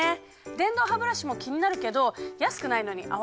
電動ハブラシも気になるけど安くないのに合わなかったら嫌だし！